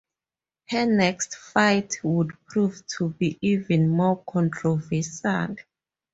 Her next fight would prove to be even more controversial.